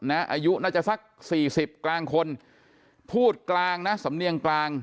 อายุน่าจะสักสี่สิบกลางคนพูดกลางนะสำเนียงกลาง